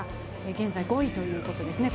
現在５位ということですね